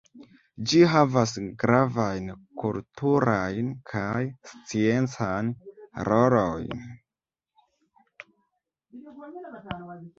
Ĝi havas gravajn kulturan kaj sciencan rolojn.